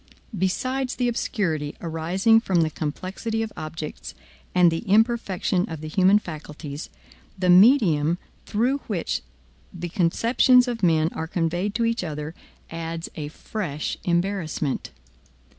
Besides the obscurity arising from the complexity of objects, and the imperfection of the human faculties, the medium through which the conceptions of men are conveyed to each other adds a fresh embarrassment.